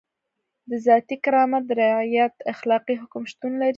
د ذاتي کرامت د رعایت اخلاقي حکم شتون لري.